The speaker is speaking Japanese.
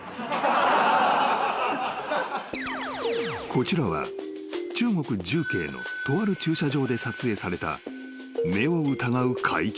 ［こちらは中国重慶のとある駐車場で撮影された目を疑う怪奇現象］